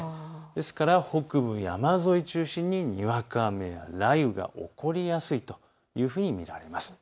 ですから北部山沿いを中心ににわか雨や雷雨が起こりやすいというふうに見られます。